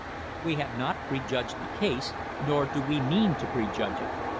We have not prejudged the case, nor do we mean to prejudge it.